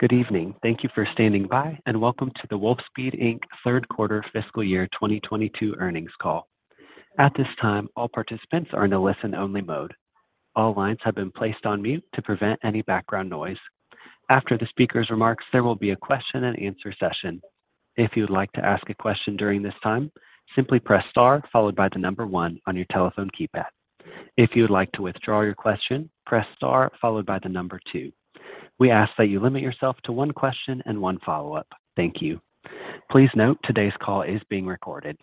Good evening. Thank you for standing by, and welcome to the Wolfspeed, Inc. third quarter fiscal year 2022 earnings call. At this time, all participants are in a listen-only mode. All lines have been placed on mute to prevent any background noise. After the speaker's remarks, there will be a question-and-answer session. If you would like to ask a question during this time, simply press star followed by the number one on your telephone keypad. If you would like to withdraw your question, press star followed by the number two. We ask that you limit yourself to one question and one follow-up. Thank you. Please note today's call is being recorded.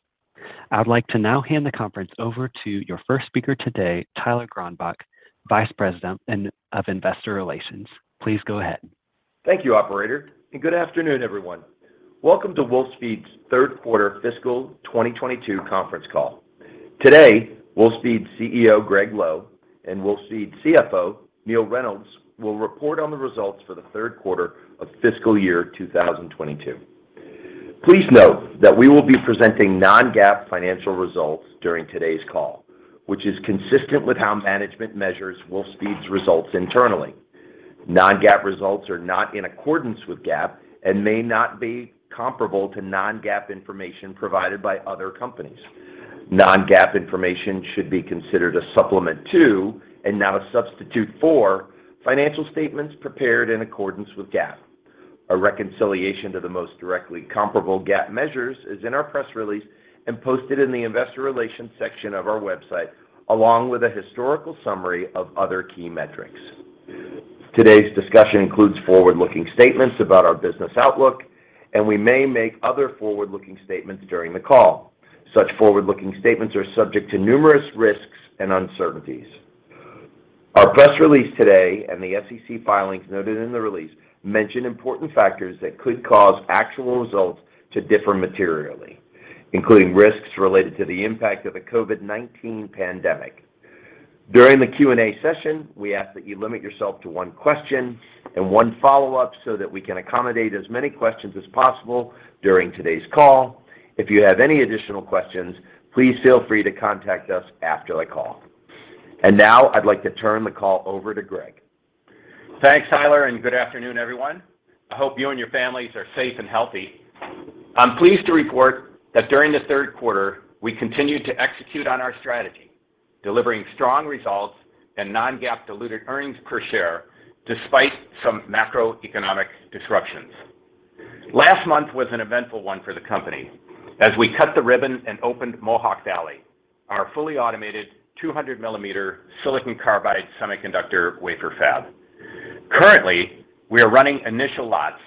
I'd like to now hand the conference over to your first speaker today, Tyler Gronbach, Vice President of Investor Relations. Please go ahead. Thank you, operator, and good afternoon, everyone. Welcome to Wolfspeed's third quarter fiscal 2022 conference call. Today, Wolfspeed CEO Gregg Lowe and Wolfspeed CFO Neill Reynolds will report on the results for the third quarter of fiscal year 2022. Please note that we will be presenting non-GAAP financial results during today's call, which is consistent with how management measures Wolfspeed's results internally. Non-GAAP results are not in accordance with GAAP and may not be comparable to non-GAAP information provided by other companies. Non-GAAP information should be considered a supplement to, and not a substitute for, financial statements prepared in accordance with GAAP. A reconciliation to the most directly comparable GAAP measures is in our press release and posted in the investor relations section of our website, along with a historical summary of other key metrics. Today's discussion includes forward-looking statements about our business outlook, and we may make other forward-looking statements during the call. Such forward-looking statements are subject to numerous risks and uncertainties. Our press release today and the SEC filings noted in the release mention important factors that could cause actual results to differ materially, including risks related to the impact of the COVID-19 pandemic. During the Q&A session, we ask that you limit yourself to one question and one follow-up so that we can accommodate as many questions as possible during today's call. If you have any additional questions, please feel free to contact us after the call. Now I'd like to turn the call over to Gregg. Thanks, Tyler, and good afternoon, everyone. I hope you and your families are safe and healthy. I'm pleased to report that during the third quarter, we continued to execute on our strategy, delivering strong results and non-GAAP diluted earnings per share despite some macroeconomic disruptions. Last month was an eventful one for the company as we cut the ribbon and opened Mohawk Valley, our fully automated 200-mm silicon carbide semiconductor wafer fab. Currently, we are running initial lots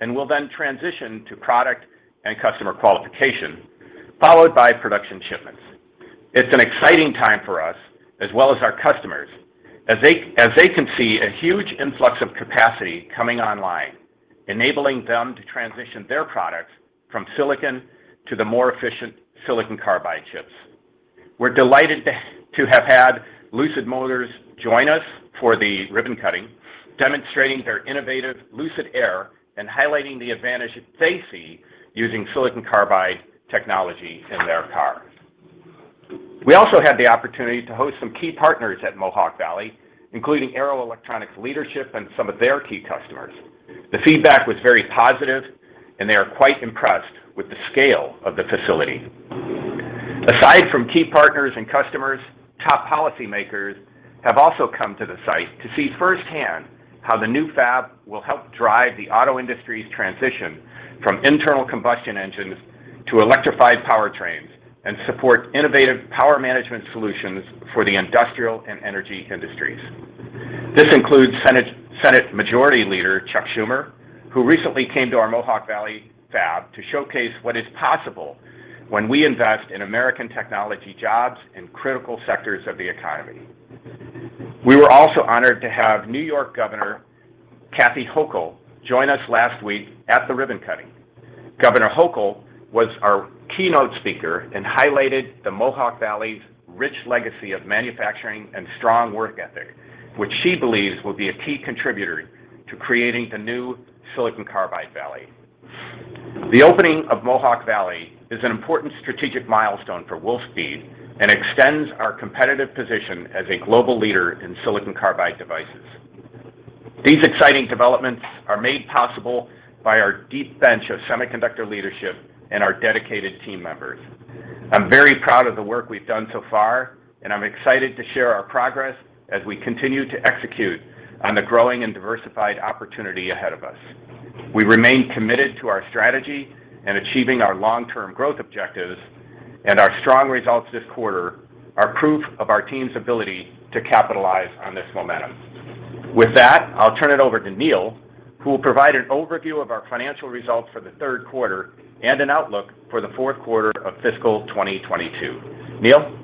and will then transition to product and customer qualification, followed by production shipments. It's an exciting time for us as well as our customers as they can see a huge influx of capacity coming online, enabling them to transition their products from silicon to the more efficient silicon carbide chips. We're delighted to have had Lucid Motors join us for the ribbon cutting, demonstrating their innovative Lucid Air and highlighting the advantage that they see using silicon carbide technology in their cars. We also had the opportunity to host some key partners at Mohawk Valley, including Arrow Electronics leadership and some of their key customers. The feedback was very positive and they are quite impressed with the scale of the facility. Aside from key partners and customers, top policy makers have also come to the site to see firsthand how the new fab will help drive the auto industry's transition from internal combustion engines to electrified powertrains and support innovative power management solutions for the industrial and energy industries. This includes Senate Majority Leader Chuck Schumer, who recently came to our Mohawk Valley fab to showcase what is possible when we invest in American technology jobs in critical sectors of the economy. We were also honored to have Governor Kathy Hochul join us last week at the ribbon cutting. Governor Hochul was our keynote speaker and highlighted the Mohawk Valley's rich legacy of manufacturing and strong work ethic, which she believes will be a key contributor to creating the new Silicon Carbide Valley. The opening of Mohawk Valley is an important strategic milestone for Wolfspeed and extends our competitive position as a global leader in silicon carbide devices. These exciting developments are made possible by our deep bench of semiconductor leadership and our dedicated team members. I'm very proud of the work we've done so far, and I'm excited to share our progress as we continue to execute on the growing and diversified opportunity ahead of us. We remain committed to our strategy and achieving our long-term growth objectives, and our strong results this quarter are proof of our team's ability to capitalize on this momentum. With that, I'll turn it over to Neill, who will provide an overview of our financial results for the third quarter and an outlook for the fourth quarter of fiscal 2022. Neill?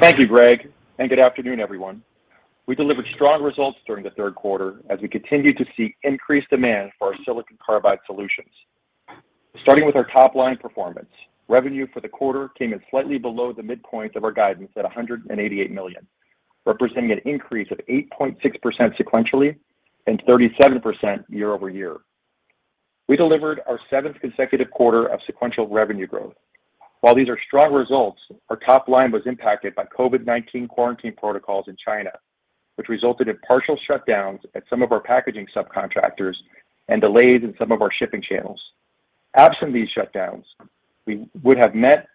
Thank you, Gregg, and good afternoon, everyone. We delivered strong results during the third quarter as we continued to see increased demand for our silicon carbide solutions. Starting with our top-line performance, revenue for the quarter came in slightly below the midpoint of our guidance at $188 million, representing an increase of 8.6% sequentially and 37% year-over-year. We delivered our seventh consecutive quarter of sequential revenue growth. While these are strong results, our top line was impacted by COVID-19 quarantine protocols in China, which resulted in partial shutdowns at some of our packaging subcontractors and delays in some of our shipping channels. Absent these shutdowns, we would have met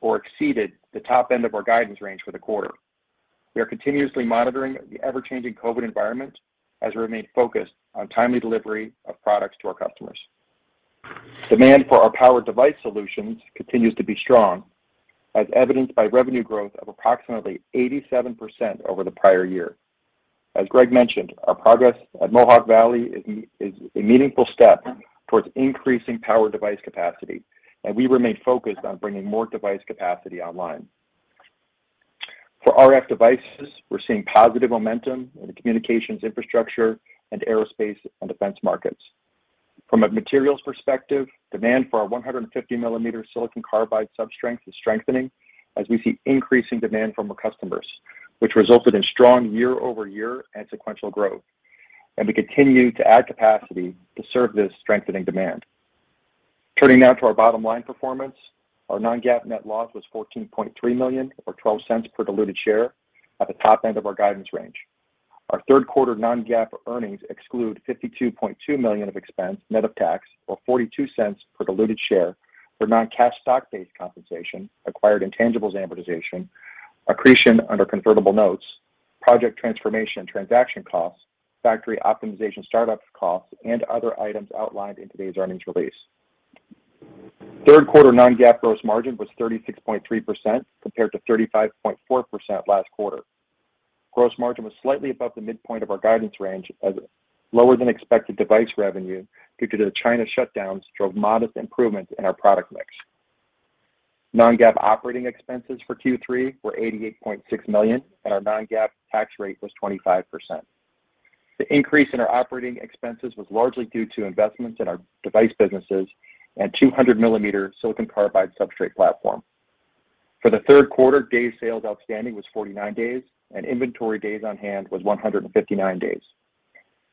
or exceeded the top end of our guidance range for the quarter. We are continuously monitoring the ever-changing COVID environment as we remain focused on timely delivery of products to our customers. Demand for our power device solutions continues to be strong, as evidenced by revenue growth of approximately 87% over the prior year. As Gregg mentioned, our progress at Mohawk Valley is a meaningful step towards increasing power device capacity, and we remain focused on bringing more device capacity online. For RF devices, we're seeing positive momentum in the communications infrastructure and aerospace and defense markets. From a materials perspective, demand for our 150-mm silicon carbide substrates is strengthening as we see increasing demand from our customers, which resulted in strong year-over-year and sequential growth. We continue to add capacity to serve this strengthening demand. Turning now to our bottom-line performance. Our non-GAAP net loss was $14.3 million or $0.12 per diluted share at the top end of our guidance range. Our third quarter non-GAAP earnings exclude $52.2 million of expense net of tax, or $0.42 per diluted share for non-cash stock-based compensation, acquired intangibles amortization, accretion under convertible notes, project transformation transaction costs, factory optimization startup costs, and other items outlined in today's earnings release. Third quarter non-GAAP gross margin was 36.3% compared to 35.4% last quarter. Gross margin was slightly above the midpoint of our guidance range as lower-than-expected device revenue due to the China shutdowns drove modest improvements in our product mix. Non-GAAP operating expenses for Q3 were $88.6 million, and our non-GAAP tax rate was 25%. The increase in our operating expenses was largely due to investments in our device businesses and 200-mm silicon carbide substrate platform. For the third quarter, day sales outstanding was 49 days, and inventory days on hand was 159 days.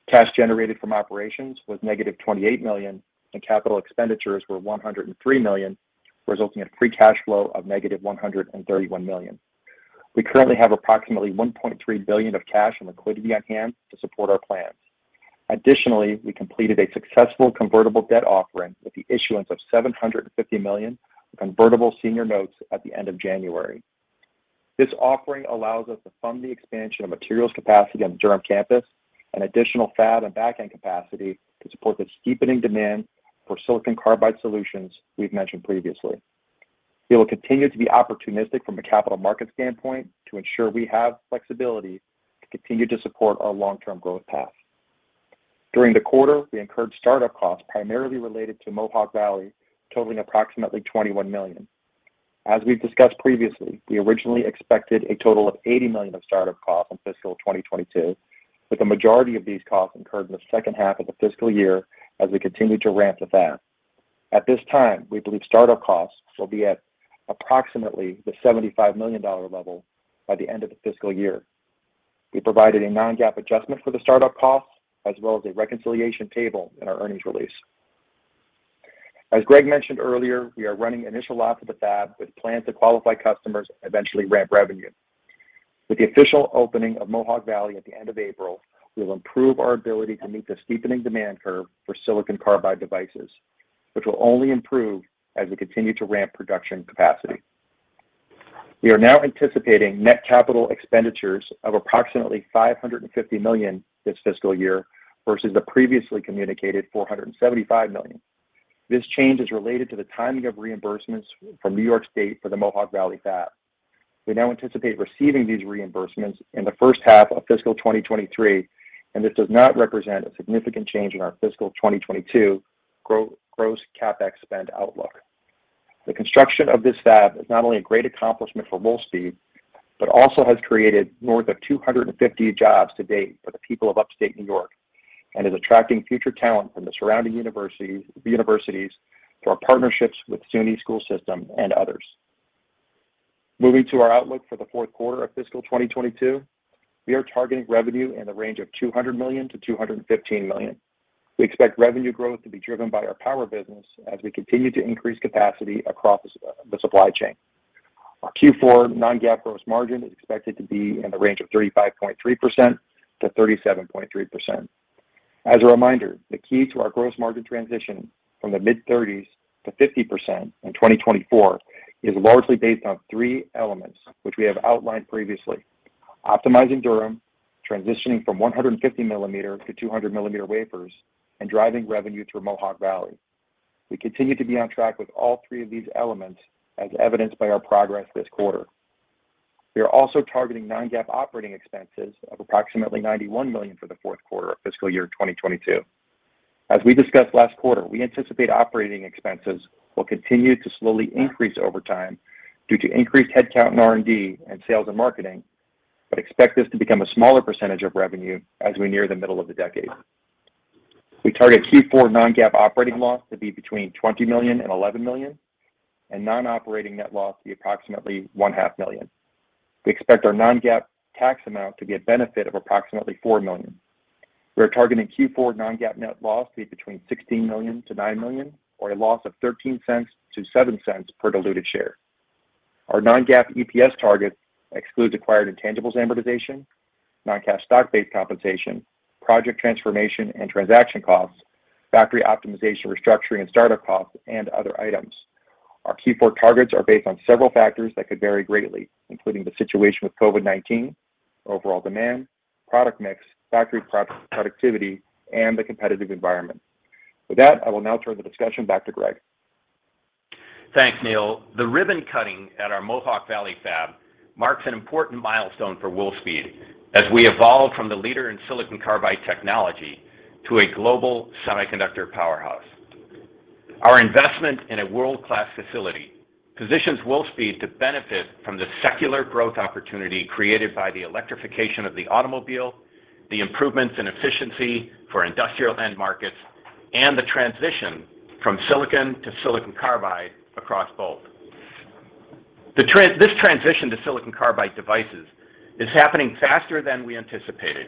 Cash generated from operations was -$28 million, and capital expenditures were $103 million, resulting in free cash flow of -$131 million. We currently have approximately $1.3 billion of cash and liquidity on hand to support our plans. Additionally, we completed a successful convertible debt offering with the issuance of $750 million convertible senior notes at the end of January. This offering allows us to fund the expansion of materials capacity on the Durham campus and additional fab and back-end capacity to support the steepening demand for silicon carbide solutions we've mentioned previously. We will continue to be opportunistic from a capital market standpoint to ensure we have flexibility to continue to support our long-term growth path. During the quarter, we incurred startup costs primarily related to Mohawk Valley, totaling approximately $21 million. As we've discussed previously, we originally expected a total of $80 million of startup costs in fiscal 2022, with the majority of these costs incurred in the second half of the fiscal year as we continue to ramp the fab. At this time, we believe startup costs will be at approximately the $75 million level by the end of the fiscal year. We provided a non-GAAP adjustment for the startup costs as well as a reconciliation table in our earnings release. As Gregg mentioned earlier, we are running initial laps of the fab with plans to qualify customers and eventually ramp revenue. With the official opening of Mohawk Valley at the end of April, we will improve our ability to meet the steepening demand curve for silicon carbide devices, which will only improve as we continue to ramp production capacity. We are now anticipating net capital expenditures of approximately $550 million this fiscal year versus the previously communicated $475 million. This change is related to the timing of reimbursements from New York State for the Mohawk Valley fab. We now anticipate receiving these reimbursements in the first half of fiscal 2023, and this does not represent a significant change in our fiscal 2022 gross CapEx spend outlook. The construction of this fab is not only a great accomplishment for Wolfspeed, but also has created more than 250 jobs to date for the people of Upstate New York and is attracting future talent from the surrounding universities through our partnerships with SUNY school system and others. Moving to our outlook for the fourth quarter of fiscal 2022. We are targeting revenue in the range of $200 million-$215 million. We expect revenue growth to be driven by our power business as we continue to increase capacity across the supply chain. Our Q4 non-GAAP gross margin is expected to be in the range of 35.3%-37.3%. As a reminder, the key to our gross margin transition from the mid-30s to 50% in 2024 is largely based on three elements, which we have outlined previously, optimizing Durham, transitioning from 150 mm to 200-mm wafers, and driving revenue through Mohawk Valley. We continue to be on track with all three of these elements, as evidenced by our progress this quarter. We are also targeting non-GAAP operating expenses of approximately $91 million for the fourth quarter of fiscal year 2022. As we discussed last quarter, we anticipate operating expenses will continue to slowly increase over time due to increased headcount in R&D and sales and marketing, but expect this to become a smaller percentage of revenue as we near the middle of the decade. We target Q4 non-GAAP operating loss to be between $20 million and $11 million and non-operating net loss to be approximately $0.5 million. We expect our non-GAAP tax amount to be a benefit of approximately $4 million. We are targeting Q4 non-GAAP net loss to be between $16 million-$9 million, or a loss of $0.13-$0.07 per diluted share. Our non-GAAP EPS target excludes acquired intangibles amortization, non-cash stock-based compensation, project transformation and transaction costs, factory optimization, restructuring, and startup costs, and other items. Our Q4 targets are based on several factors that could vary greatly, including the situation with COVID-19, overall demand, product mix, factory productivity, and the competitive environment. With that, I will now turn the discussion back to Gregg. Thanks, Neill. The ribbon cutting at our Mohawk Valley fab marks an important milestone for Wolfspeed as we evolve from the leader in silicon carbide technology to a global semiconductor powerhouse. Our investment in a world-class facility positions Wolfspeed to benefit from the secular growth opportunity created by the electrification of the automobile, the improvements in efficiency for industrial end markets, and the transition from silicon to silicon carbide across both. This transition to silicon carbide devices is happening faster than we anticipated.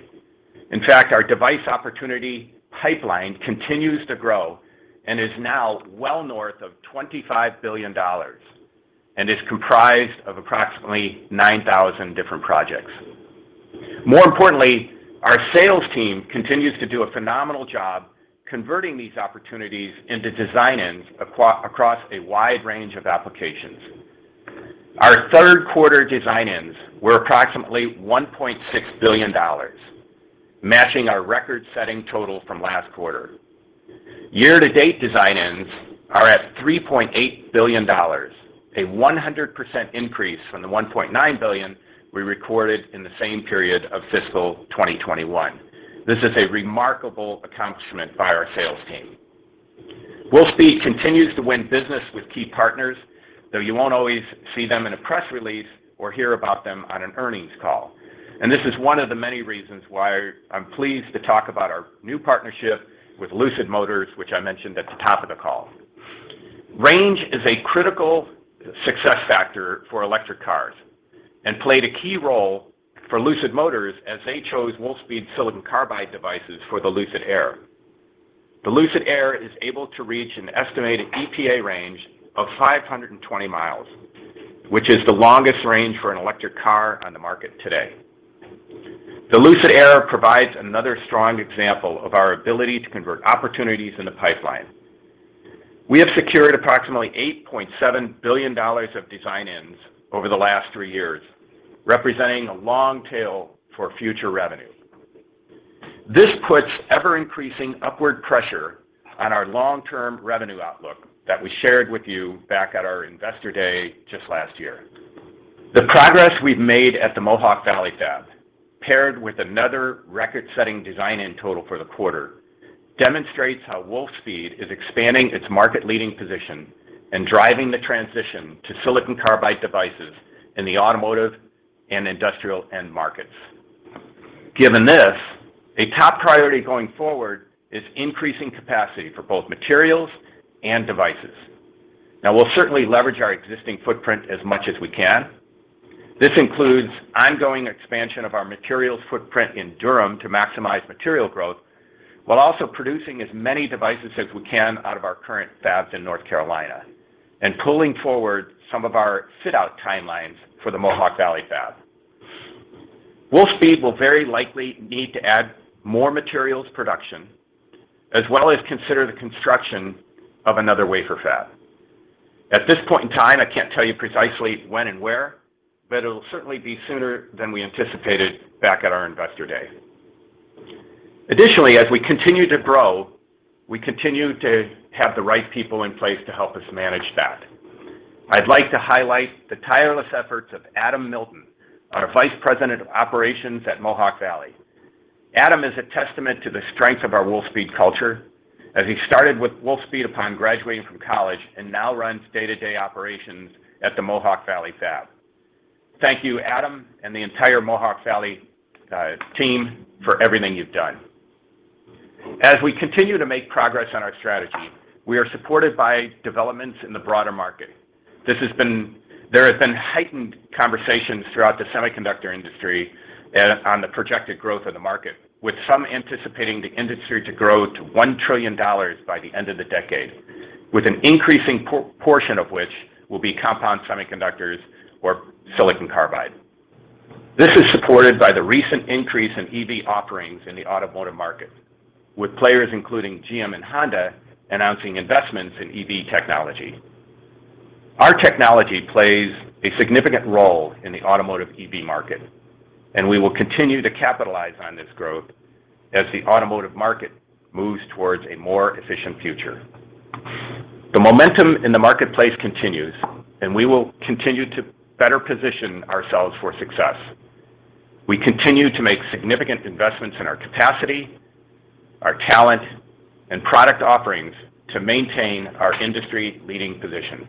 In fact, our device opportunity pipeline continues to grow and is now well north of $25 billion and is comprised of approximately 9,000 different projects. More importantly, our sales team continues to do a phenomenal job converting these opportunities into design-ins across a wide range of applications. Our third quarter design-ins were approximately $1.6 billion, matching our record-setting total from last quarter. Year-to-date design-ins are at $3.8 billion, a 100% increase from the $1.9 billion we recorded in the same period of fiscal 2021. This is a remarkable accomplishment by our sales team. Wolfspeed continues to win business with key partners, though you won't always see them in a press release or hear about them on an earnings call. This is one of the many reasons why I'm pleased to talk about our new partnership with Lucid Motors, which I mentioned at the top of the call. Range is a critical success factor for electric cars and played a key role for Lucid Motors as they chose Wolfspeed silicon carbide devices for the Lucid Air. The Lucid Air is able to reach an estimated EPA range of 520 mi, which is the longest range for an electric car on the market today. The Lucid Air provides another strong example of our ability to convert opportunities in the pipeline. We have secured approximately $8.7 billion of design-ins over the last three years, representing a long tail for future revenue. This puts ever-increasing upward pressure on our long-term revenue outlook that we shared with you back at our Investor Day just last year. The progress we've made at the Mohawk Valley fab, paired with another record-setting design-in total for the quarter, demonstrates how Wolfspeed is expanding its market-leading position and driving the transition to silicon carbide devices in the automotive and industrial end markets. Given this, a top priority going forward is increasing capacity for both materials and devices. Now, we'll certainly leverage our existing footprint as much as we can. This includes ongoing expansion of our materials footprint in Durham to maximize material growth, while also producing as many devices as we can out of our current fabs in North Carolina and pulling forward some of our fit-out timelines for the Mohawk Valley fab. Wolfspeed will very likely need to add more materials production, as well as consider the construction of another wafer fab. At this point in time, I can't tell you precisely when and where, but it'll certainly be sooner than we anticipated back at our Investor Day. Additionally, as we continue to grow, we continue to have the right people in place to help us manage that. I'd like to highlight the tireless efforts of Adam Milton, our Vice President of Operations at Mohawk Valley. Adam is a testament to the strength of our Wolfspeed culture, as he started with Wolfspeed upon graduating from college and now runs day-to-day operations at the Mohawk Valley fab. Thank you, Adam, and the entire Mohawk Valley team for everything you've done. As we continue to make progress on our strategy, we are supported by developments in the broader market. There has been heightened conversations throughout the semiconductor industry on the projected growth of the market, with some anticipating the industry to grow to $1 trillion by the end of the decade, with an increasing portion of which will be compound semiconductors or silicon carbide. This is supported by the recent increase in EV offerings in the automotive market, with players including GM and Honda announcing investments in EV technology. Our technology plays a significant role in the automotive EV market, and we will continue to capitalize on this growth as the automotive market moves towards a more efficient future. The momentum in the marketplace continues, and we will continue to better position ourselves for success. We continue to make significant investments in our capacity, our talent, and product offerings to maintain our industry-leading position.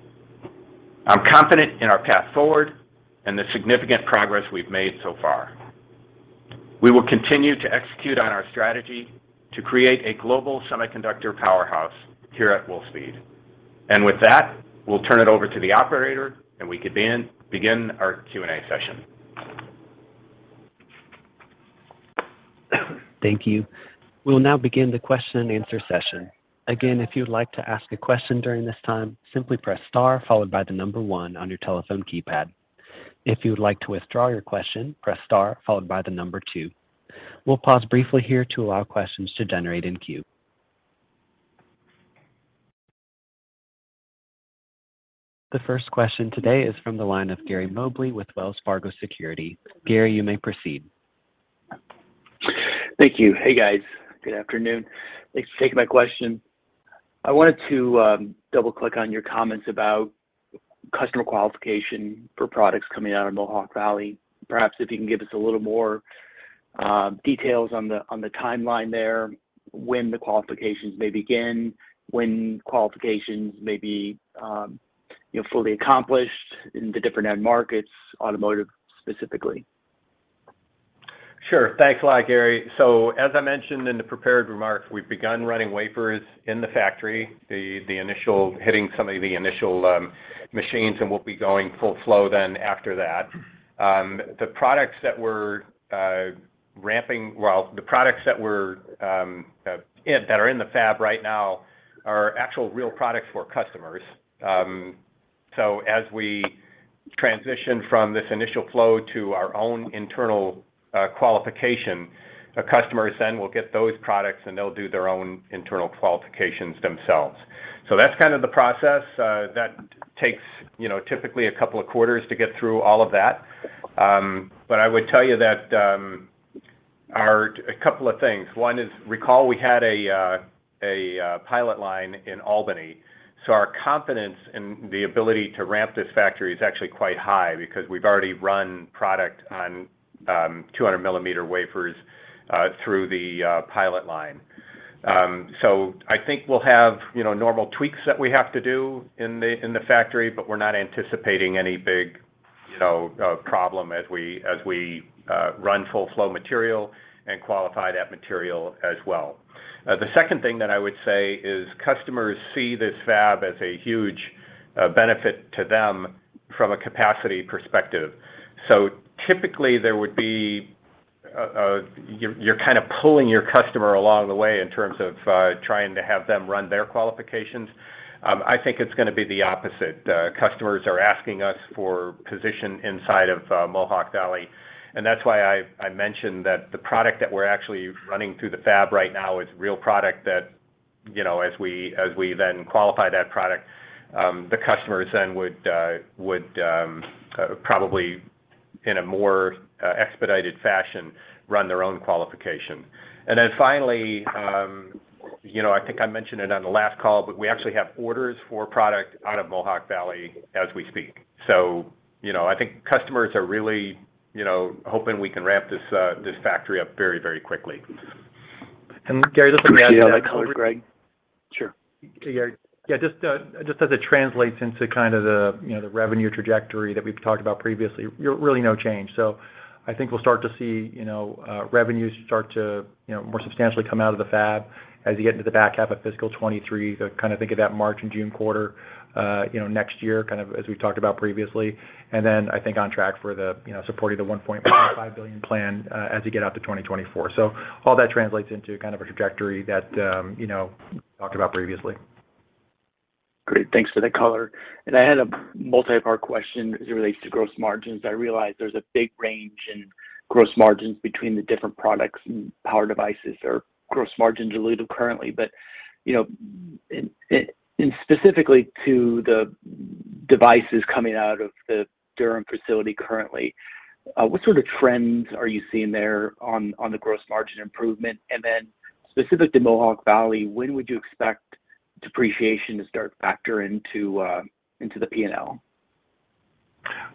I'm confident in our path forward and the significant progress we've made so far. We will continue to execute on our strategy to create a global semiconductor powerhouse here at Wolfspeed. With that, we'll turn it over to the operator, and we can begin our Q&A session. Thank you. We'll now begin the question-and-answer-session. Again, if you'd like to ask a question during this time, simply press star followed by the number one on your telephone keypad. If you would like to withdraw your question, press star followed by the number two. We'll pause briefly here to allow questions to generate in queue. The first question today is from the line of Gary Mobley with Wells Fargo Securities. Gary, you may proceed. Thank you. Hey, guys. Good afternoon. Thanks for taking my question. I wanted to double-click on your comments about customer qualification for products coming out of Mohawk Valley. Perhaps if you can give us a little more details on the timeline there, when the qualifications may begin, when qualifications may be fully accomplished in the different end markets, automotive specifically. Sure. Thanks a lot, Gary. As I mentioned in the prepared remarks, we've begun running wafers in the factory, hitting some of the initial machines, and we'll be going full flow then after that. Well, the products that are in the fab right now are actual real products for customers. As we transition from this initial flow to our own internal qualification, our customers then will get those products, and they'll do their own internal qualifications themselves. That's kind of the process. That takes, you know, typically a couple of quarters to get through all of that. I would tell you that a couple of things. One is, recall we had a pilot line in Albany, so our confidence in the ability to ramp this factory is actually quite high because we've already run product on 200-mm wafers through the pilot line. So I think we'll have, you know, normal tweaks that we have to do in the factory, but we're not anticipating any big, you know, problem as we run full-flow material and qualify that material as well. The second thing that I would say is customers see this fab as a huge benefit to them from a capacity perspective. So typically, there would be. You're kind of pulling your customer along the way in terms of trying to have them run their qualifications. I think it's gonna be the opposite. Customers are asking us for position inside of Mohawk Valley, and that's why I mentioned that the product that we're actually running through the fab right now is real product that, you know, as we then qualify that product, the customers then would probably in a more expedited fashion run their own qualification. Finally, you know, I think I mentioned it on the last call, but we actually have orders for product out of Mohawk Valley as we speak. You know, I think customers are really, you know, hoping we can ramp this factory up very, very quickly. Gary, this is Neill Reynolds. Appreciate all that color, Gregg. Sure. Gary. Yeah, just as it translates into kind of, you know, the revenue trajectory that we've talked about previously, there's really no change. I think we'll start to see, you know, revenues start to, you know, more substantially come out of the fab as you get into the back half of fiscal 2023. Kind of think of that March and June quarter, you know, next year, kind of as we've talked about previously. Then I think we're on track for, you know, supporting the $1.5 billion plan as we get out to 2024. All that translates into kind of a trajectory that, you know, talked about previously. Great. Thanks for the color. I had a multi-part question as it relates to gross margins. I realize there's a big range in gross margins between the different products and power devices, our gross margins as alluded to currently. Specifically to the devices coming out of the Durham facility currently, what sort of trends are you seeing there on the gross margin improvement? Then specific to Mohawk Valley, when would you expect depreciation to start to factor into the P&L?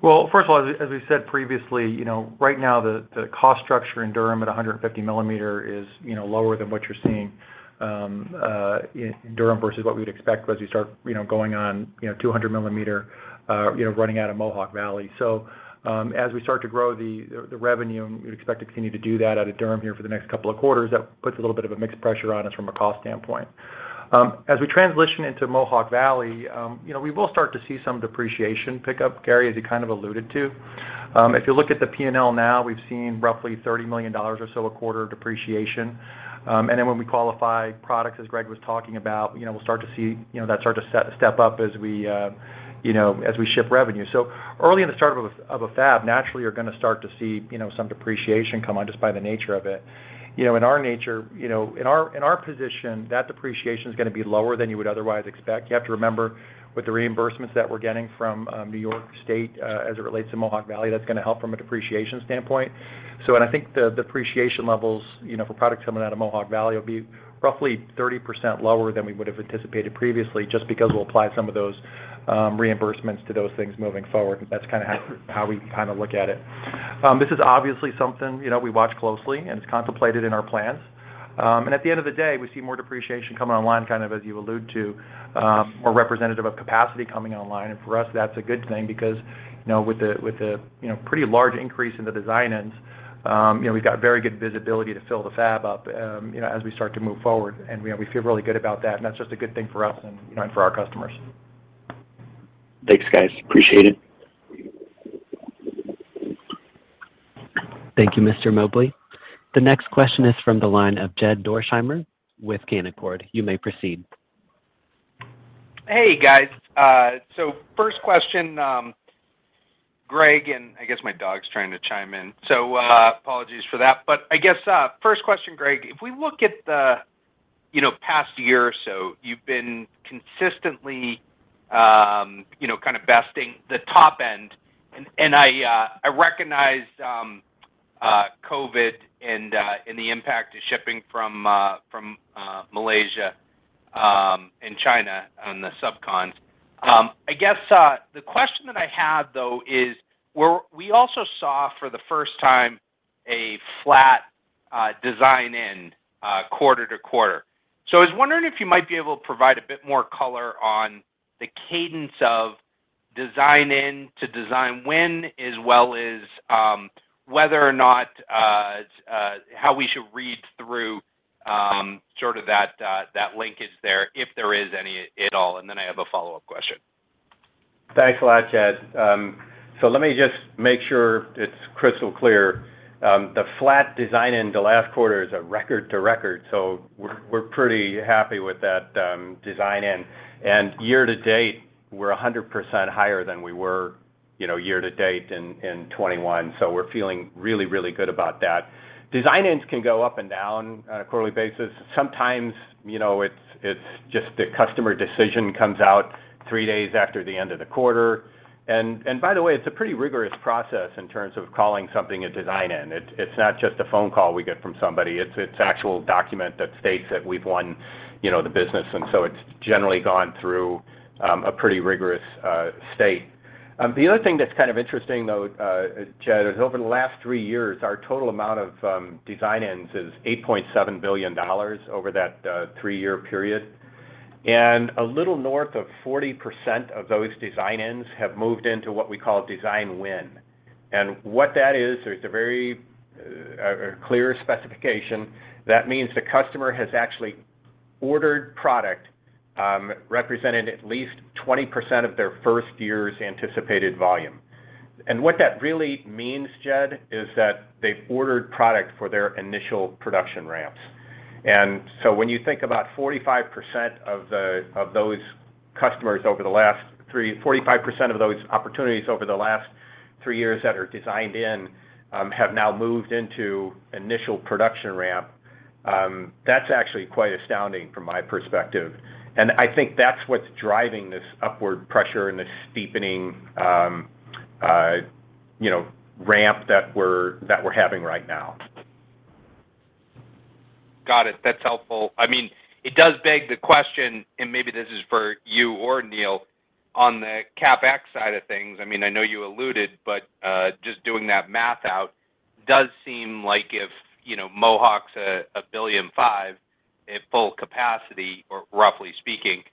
Well, first of all, as we said previously, you know, right now the cost structure in Durham at 150 mm is, you know, lower than what you're seeing in Durham versus what we'd expect as you start, you know, going on, you know, 200 mm you know, running out of Mohawk Valley. As we start to grow the revenue, and we'd expect to continue to do that out of Durham here for the next couple of quarters, that puts a little bit of a mixed pressure on us from a cost standpoint. As we transition into Mohawk Valley, you know, we will start to see some depreciation pick up, Gary, as you kind of alluded to. If you look at the P&L now, we've seen roughly $30 million or so a quarter depreciation. When we qualify products, as Gregg was talking about, you know, we'll start to see, you know, that start to step up as we, you know, as we ship revenue. Early in the start of a fab, naturally you're gonna start to see, you know, some depreciation come on just by the nature of it. You know, in our nature, you know, in our position, that depreciation is gonna be lower than you would otherwise expect. You have to remember with the reimbursements that we're getting from New York State, as it relates to Mohawk Valley, that's gonna help from a depreciation standpoint. I think the depreciation levels, you know, for products coming out of Mohawk Valley will be roughly 30% lower than we would have anticipated previously, just because we'll apply some of those reimbursements to those things moving forward. That's kind of how we kind of look at it. This is obviously something, you know, we watch closely and it's contemplated in our plans. At the end of the day, we see more depreciation coming online, kind of as you allude to, more representative of capacity coming online. For us, that's a good thing because, you know, with the, you know, pretty large increase in the design-ins, you know, we've got very good visibility to fill the fab up, you know, as we start to move forward. We feel really good about that, and that's just a good thing for us and, you know, and for our customers. Thanks, guys. Appreciate it. Thank you, Mr. Mobley. The next question is from the line of Jed Dorsheimer with Canaccord. You may proceed. Hey, guys. I guess my dog's trying to chime in, so apologies for that. I guess, first question, Gregg. If we look at the, you know, past year or so, you've been consistently, you know, kind of besting the top end. I recognize COVID and the impact to shipping from Malaysia and China on the subcons. The question that I have, though, is we also saw for the first time a flat demand quarter-over-quarter. I was wondering if you might be able to provide a bit more color on the cadence of design-in to design win, as well as whether or not how we should read through sort of that linkage there, if there is any at all, and then I have a follow-up question. Thanks a lot, Jed. So let me just make sure it's crystal clear. The fact the design-in in the last quarter is record-to-record, so we're pretty happy with that, design-in. Year to date, we're 100% higher than we were, you know, year to date in 2021. We're feeling really good about that. Design-ins can go up and down on a quarterly basis. Sometimes, you know, it's just the customer decision comes out three days after the end of the quarter. By the way, it's a pretty rigorous process in terms of calling something a design-in. It's not just a phone call we get from somebody. It's actual document that states that we've won, you know, the business, and so it's generally gone through a pretty rigorous stage. The other thing that's kind of interesting, though, Jed, is over the last three years, our total amount of design-ins is $8.7 billion over that three-year period. A little north of 40% of those design-ins have moved into what we call design win. What that is, there's a very clear specification. That means the customer has actually ordered product representing at least 20% of their first year's anticipated volume. What that really means, Jed, is that they've ordered product for their initial production ramps. When you think about 45% of those opportunities over the last three years that are designed in have now moved into initial production ramp, that's actually quite astounding from my perspective. I think that's what's driving this upward pressure and the steepening, you know, ramp that we're having right now. Got it. That's helpful. I mean, it does beg the question, and maybe this is for you or Neill, on the CapEx side of things. I mean, I know you alluded, but just doing that math out does seem like if, you know, Mohawk's a $1.5 billion at full capacity, or roughly speaking,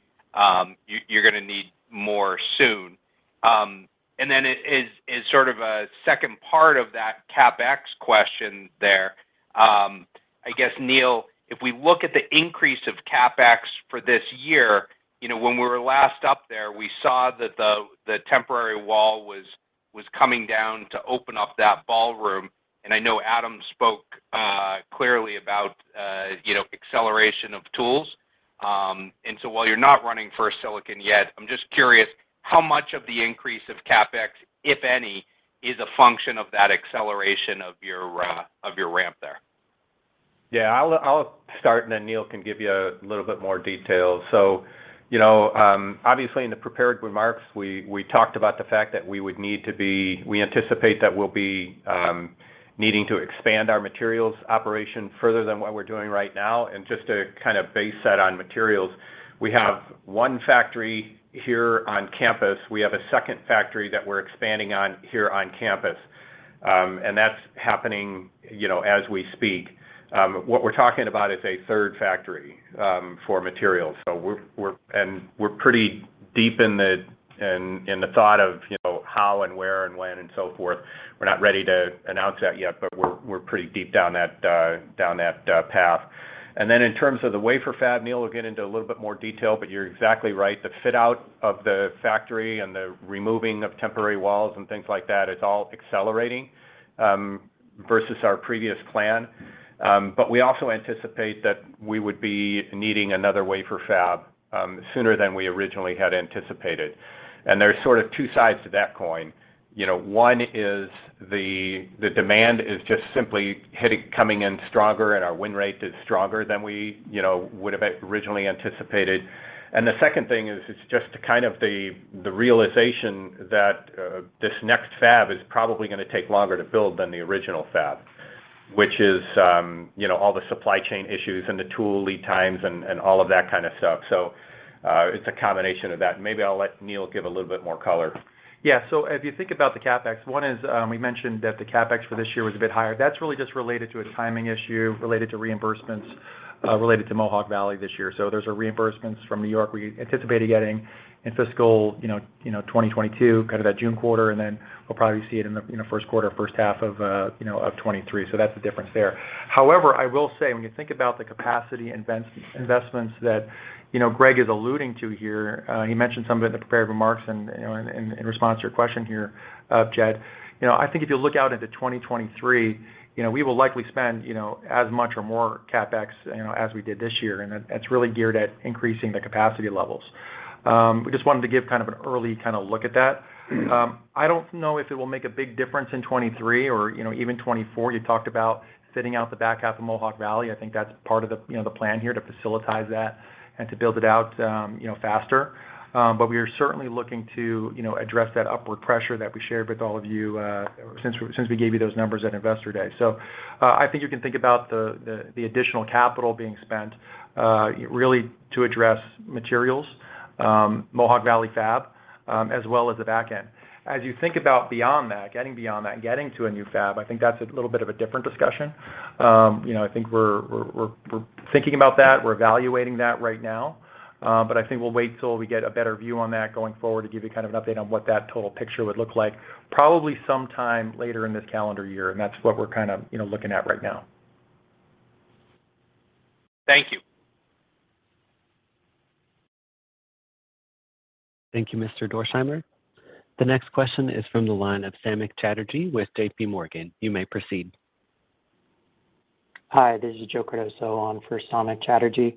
you're gonna need more soon. And then as sort of a second part of that CapEx question there, I guess, Neill, if we look at the increase of CapEx for this year, you know, when we were last up there, we saw that the temporary wall was coming down to open up that ballroom. I know Adam spoke clearly about, you know, acceleration of tools. While you're not running first silicon yet, I'm just curious, how much of the increase of CapEx, if any, is a function of that acceleration of your ramp there? Yeah. I'll start, and then Neill can give you a little bit more detail. You know, obviously, in the prepared remarks, we talked about the fact that we anticipate that we'll be needing to expand our materials operation further than what we're doing right now. Just to kind of base that on materials, we have one factory here on campus. We have a second factory that we're expanding on here on campus, and that's happening, you know, as we speak. What we're talking about is a third factory for materials. We're pretty deep in the thought of, you know, how and where and when and so forth. We're not ready to announce that yet, but we're pretty deep down that path. Then in terms of the wafer fab, Neill will get into a little bit more detail, but you're exactly right. The fit out of the factory and the removing of temporary walls and things like that, it's all accelerating versus our previous plan. We also anticipate that we would be needing another wafer fab sooner than we originally had anticipated. There's sort of two sides to that coin. You know, one is the demand is just simply hitting, coming in stronger, and our win rate is stronger than we, you know, would have originally anticipated. The second thing is it's just kind of the realization that this next fab is probably gonna take longer to build than the original fab, which is, you know, all the supply chain issues and the tool lead times and all of that kind of stuff. It's a combination of that. Maybe I'll let Neill give a little bit more color. Yeah. If you think about the CapEx, one is, we mentioned that the CapEx for this year was a bit higher. That's really just related to a timing issue related to reimbursements. Related to Mohawk Valley this year. There's reimbursements from New York we anticipated getting in fiscal, you know, 2022, kind of that June quarter, and then we'll probably see it in the, you know, first quarter, first half of, you know, of 2023. That's the difference there. However, I will say when you think about the capacity investments that, you know, Gregg is alluding to here, he mentioned some of it in the prepared remarks and, you know, in response to your question here, Jed. You know, I think if you look out into 2023, you know, we will likely spend, you know, as much or more CapEx, you know, as we did this year, and that's really geared at increasing the capacity levels. We just wanted to give kind of an early kinda look at that. I don't know if it will make a big difference in 2023 or, you know, even 2024. You talked about sitting out the back half of Mohawk Valley. I think that's part of the, you know, the plan here to facilitate that and to build it out, you know, faster. We are certainly looking to, you know, address that upward pressure that we shared with all of you, since we gave you those numbers at Investor Day. I think you can think about the additional capital being spent, really to address materials, Mohawk Valley fab, as well as the back end. As you think about beyond that, getting beyond that and getting to a new fab, I think that's a little bit of a different discussion. You know, I think we're thinking about that. We're evaluating that right now. I think we'll wait till we get a better view on that going forward to give you kind of an update on what that total picture would look like probably sometime later in this calendar year, and that's what we're kind of, you know, looking at right now. Thank you. Thank you, Mr. Dorsheimer. The next question is from the line of Samik Chatterjee with JPMorgan. You may proceed. Hi, this is Joseph Cardoso on for Samik Chatterjee.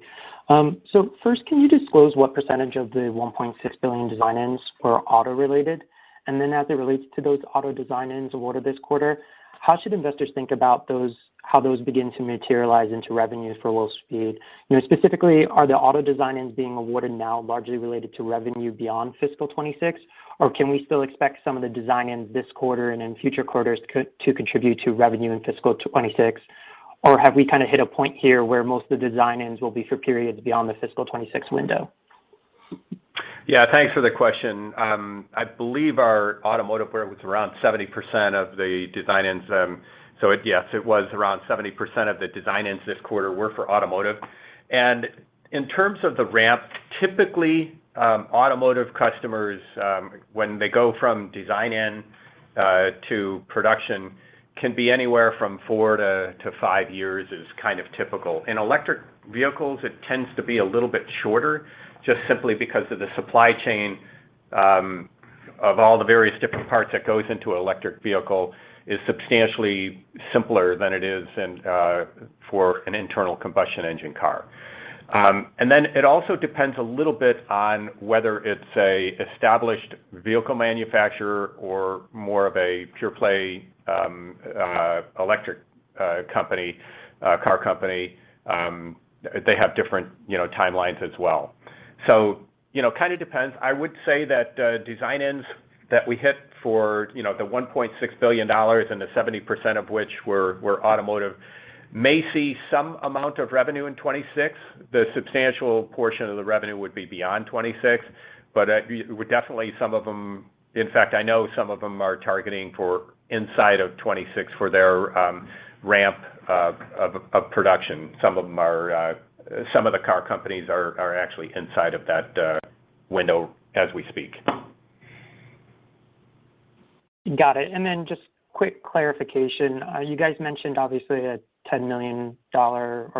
First, can you disclose what percentage of the 1.6 billion design-ins were auto-related? Then as it relates to those auto design-ins awarded this quarter, how should investors think about those, how those begin to materialize into revenue for Wolfspeed? You know, specifically, are the auto design-ins being awarded now largely related to revenue beyond fiscal 2026, or can we still expect some of the design-ins this quarter and in future quarters to contribute to revenue in fiscal 2026? Or have we kind of hit a point here where most of the design-ins will be for periods beyond the fiscal 2026 window? Yeah. Thanks for the question. I believe our automotive where it was around 70% of the design-ins, so yes, it was around 70% of the design-ins this quarter were for automotive. In terms of the ramp, typically, automotive customers, when they go from design-in to production can be anywhere from four to five years is kind of typical. In electric vehicles, it tends to be a little bit shorter just simply because of the supply chain of all the various different parts that goes into electric vehicle is substantially simpler than it is in for an internal combustion engine car. It also depends a little bit on whether it's a established vehicle manufacturer or more of a pure-play electric company car company. They have different, you know, timelines as well. You know, kinda depends. I would say that design-ins that we hit for you know the $1.6 billion and the 70% of which were automotive may see some amount of revenue in 2026. The substantial portion of the revenue would be beyond 2026, but we definitely some of them. In fact, I know some of them are targeting for inside of 2026 for their ramp of production. Some of them are, some of the car companies are actually inside of that window as we speak. Got it. Just quick clarification. You guys mentioned obviously a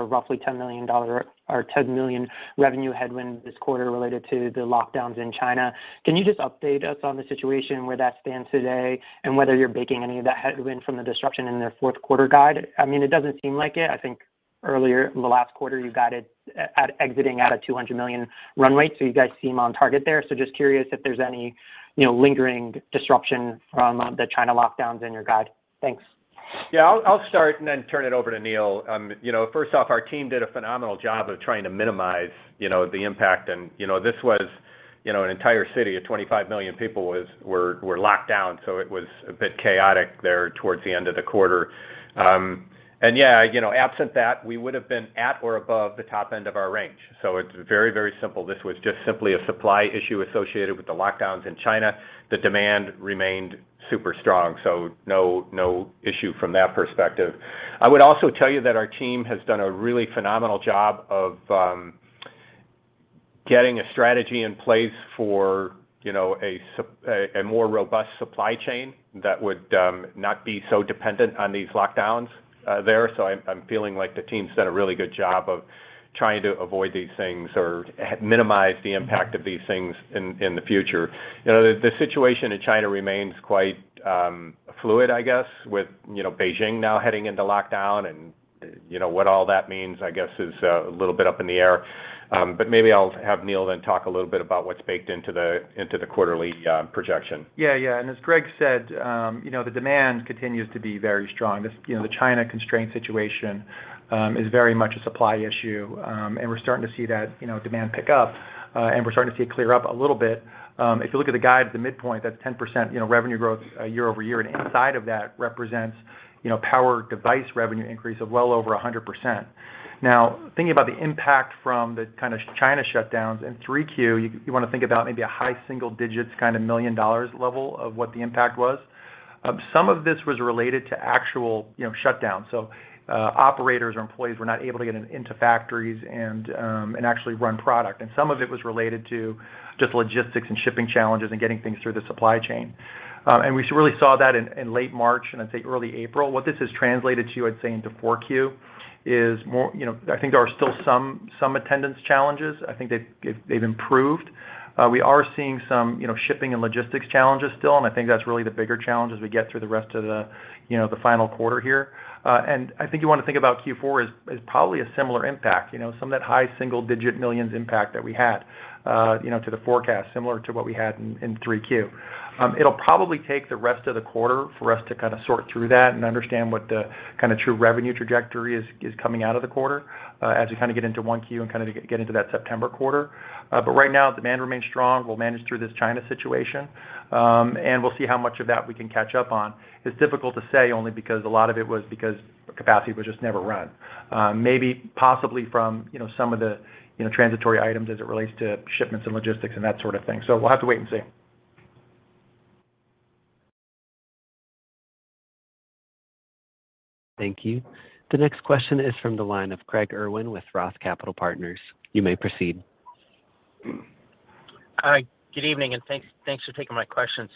roughly $10 million revenue headwind this quarter related to the lockdowns in China. Can you just update us on the situation where that stands today and whether you're baking any of that headwind from the disruption in their fourth quarter guide? I mean, it doesn't seem like it. I think earlier in the last quarter, you guided at exiting at a $200 million runway, so you guys seem on target there. Just curious if there's any, you know, lingering disruption from the China lockdowns in your guide. Thanks. Yeah. I'll start and then turn it over to Neill. You know, first off, our team did a phenomenal job of trying to minimize, you know, the impact. You know, this was, you know, an entire city of 25 million people was locked down, so it was a bit chaotic there towards the end of the quarter. Yeah, you know, absent that, we would've been at or above the top end of our range. It's very, very simple. This was just simply a supply issue associated with the lockdowns in China. The demand remained super strong, so no issue from that perspective. I would also tell you that our team has done a really phenomenal job of getting a strategy in place for, you know, a more robust supply chain that would not be so dependent on these lockdowns there. I'm feeling like the team's done a really good job of trying to avoid these things or minimize the impact of these things in the future. You know, the situation in China remains quite fluid, I guess, with, you know, Beijing now heading into lockdown and, you know, what all that means, I guess, is a little bit up in the air. But maybe I'll have Neill then talk a little bit about what's baked into the quarterly projection. As Gregg said, the demand continues to be very strong. This, the China constraint situation, is very much a supply issue, and we're starting to see that demand pick up, and we're starting to see it clear up a little bit. If you look at the guide at the midpoint, that's 10% revenue growth year-over-year, and inside of that represents power device revenue increase of well over 100%. Now, thinking about the impact from the kind of China shutdowns, in 3Q, you wanna think about maybe a high single digits kind of million dollars level of what the impact was. Some of this was related to actual shutdowns. Operators or employees were not able to get into factories and actually run product. Some of it was related to just logistics and shipping challenges and getting things through the supply chain. We really saw that in late March and I'd say early April. What this has translated to, I'd say, into 4Q You know, I think there are still some attendance challenges. I think they've improved. We are seeing some, you know, shipping and logistics challenges still, and I think that's really the bigger challenge as we get through the rest of the, you know, the final quarter here. I think you wanna think about Q4 as probably a similar impact. You know, some of that high single-digit millions impact that we had, you know, to the forecast, similar to what we had in 3Q. It'll probably take the rest of the quarter for us to kind of sort through that and understand what the kind of true revenue trajectory is coming out of the quarter, as we kind of get into 1Q and kind of get into that September quarter. Right now, demand remains strong. We'll manage through this China situation, and we'll see how much of that we can catch up on. It's difficult to say only because a lot of it was because capacity was just never run. Maybe possibly from, you know, some of the, you know, transitory items as it relates to shipments and logistics and that sort of thing. We'll have to wait and see. Thank you. The next question is from the line of Craig Irwin with ROTH Capital Partners. You may proceed. Hi. Good evening, and thanks for taking my questions.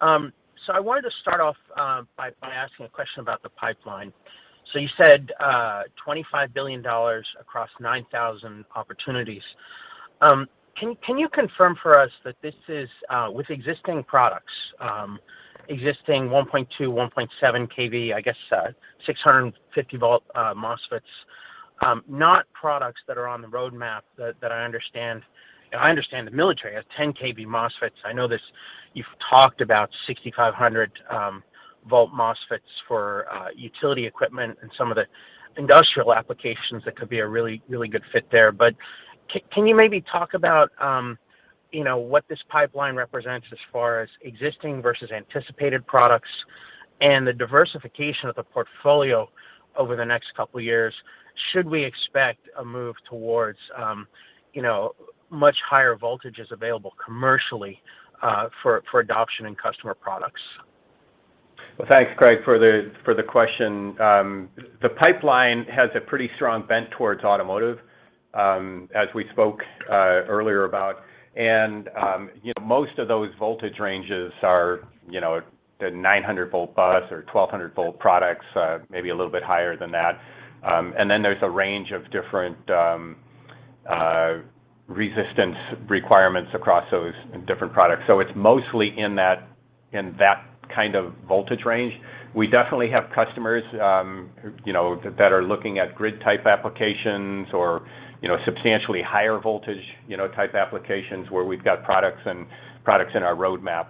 I wanted to start off by asking a question about the pipeline. You said $25 billion across 9,000 opportunities. Can you confirm for us that this is with existing products, existing 1.2, 1.7 kV, I guess, 650 volt MOSFETs, not products that are on the roadmap that I understand. I understand the military has 10 kV MOSFETs. I know this. You've talked about 6,500 volt MOSFETs for utility equipment and some of the industrial applications that could be a really good fit there. Can you maybe talk about, you know, what this pipeline represents as far as existing versus anticipated products and the diversification of the portfolio over the next couple years? Should we expect a move towards, you know, much higher voltages available commercially, for adoption in customer products? Well, thanks, Craig, for the question. The pipeline has a pretty strong bent towards automotive, as we spoke earlier about. You know, most of those voltage ranges are, you know, the 900-volt bus or 1200-volt products, maybe a little bit higher than that. And then there's a range of different resistance requirements across those different products. It's mostly in that kind of voltage range. We definitely have customers, you know, that are looking at grid-type applications or, you know, substantially higher voltage type applications where we've got products in our roadmap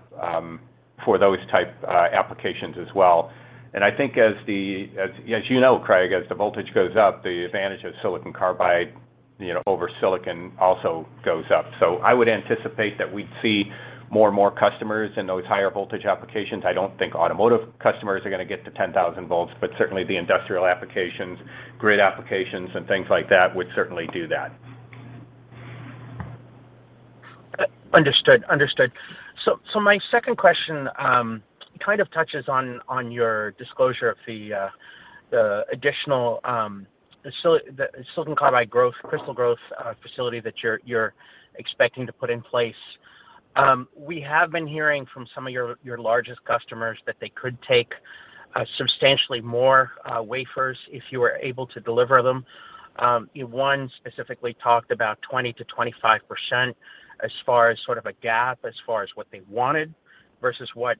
for those type applications as well. I think as you know, Craig, as the voltage goes up, the advantage of silicon carbide, you know, over silicon also goes up. I would anticipate that we'd see more and more customers in those higher voltage applications. I don't think automotive customers are gonna get to 10,000 volts, but certainly the industrial applications, grid applications, and things like that would certainly do that. Understood. My second question kind of touches on your disclosure of the additional silicon carbide growth, crystal growth facility that you're expecting to put in place. We have been hearing from some of your largest customers that they could take substantially more wafers if you were able to deliver them. One specifically talked about 20%-25% as far as sort of a gap, as far as what they wanted versus what